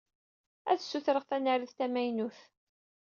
Ad ssutreɣ tanarit tamaynut.